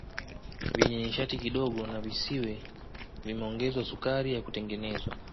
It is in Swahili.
Vyenye nishati kidogo na visiwe vimeongezwa sukari ya kutengenezwa